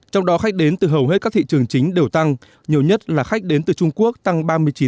trong đó khách đến từ hầu hết các thị trường chính đều tăng nhiều nhất là khách đến từ trung quốc tăng ba mươi chín